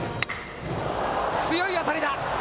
強い当たりだ。